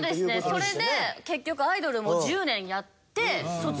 それで結局アイドルも１０年やって卒業したので。